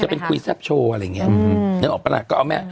มีแบบก๋วยแซบโชว์อะไรอย่างเงี้ยอืมนึกออกปะน่ะก็เอาแม่